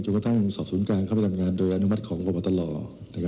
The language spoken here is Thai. กระทั่งสอบศูนย์การเข้าไปทำงานโดยอนุมัติของพบตร